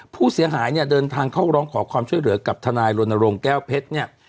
ผู้เสียหายเนี่ยเดินทางเข้าร้องขอความช่วยเหลือกับทนายรณรงค์แก้วเพชรเนี่ย